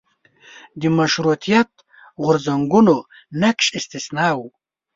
د مشروطیت غورځنګونو نقش استثنا و.